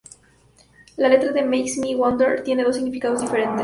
La letra de "Makes Me Wonder" tiene dos significados diferentes.